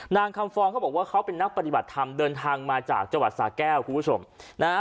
นางคำฟองเขาบอกว่าเขาเป็นนักปฏิบัติธรรมเดินทางมาจากจังหวัดสาแก้วคุณผู้ชมนะฮะ